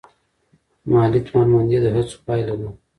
مالي توانمندي د هڅو پایله ده.